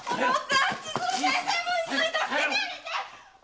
千鶴先生も一緒に助けてあげて！